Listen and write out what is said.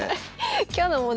今日の問題